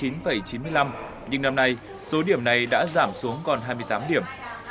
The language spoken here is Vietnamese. nhưng năm nay số điểm này đã giảm xuống còn hai mươi tám điểm